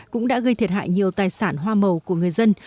cũng đã gây thiệt hại nhiều tài sản hoa màu của người dân